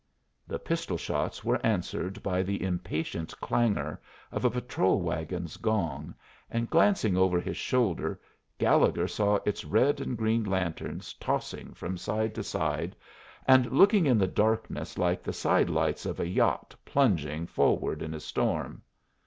The pistol shots were answered by the impatient clangor of a patrol wagon's gong, and glancing over his shoulder Gallegher saw its red and green lanterns tossing from side to side and looking in the darkness like the side lights of a yacht plunging forward in a storm.